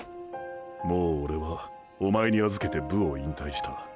もうオレはおまえに預けて部を引退した。